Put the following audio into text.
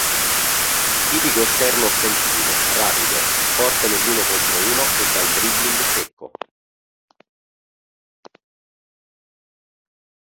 Tipico esterno offensivo, rapido, forte nell'uno contro uno e dal dribbling secco.